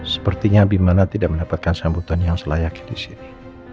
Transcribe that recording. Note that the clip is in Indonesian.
sepertinya abimana tidak mendapatkan sambutan yang selayaki di sini